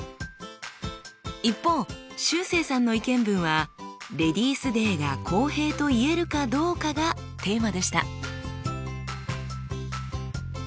一方しゅうせいさんの意見文はレディスデイが公平と言えるかどうかがテーマでした。